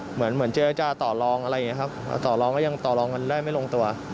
เหมือนเหมือนเจรจาต่อลองอะไรอย่างนี้ครับต่อรองก็ยังต่อรองกันได้ไม่ลงตัว